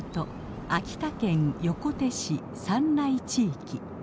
秋田県横手市山内地域。